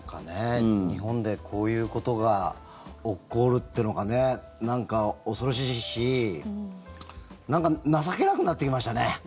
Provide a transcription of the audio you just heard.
日本でこういうことが起こるというのが恐ろしいしなんか情けなくなってきましたね。